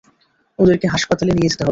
ওদেরকে হাসপাতালে নিয়ে যেতে হবে।